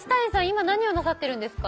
今何をなさってるんですか？